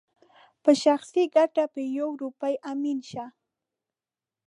په شخصي ګټه په يوه روپۍ امين شي